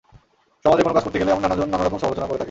সমাজে কোনো কাজ করতে গেলে এমন নানাজন নানা রকম সমালোচনা করে থাকে।